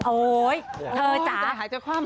โอ้ยเธอก็จ๊ะ